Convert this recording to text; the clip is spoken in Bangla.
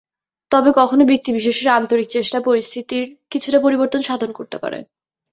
তবে কখনো ব্যক্তিবিশেষের আন্তরিক চেষ্টা পরিস্থিতির কিছুটা পরিবর্তন সাধন করতে পারে।